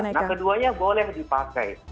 nah keduanya boleh dipakai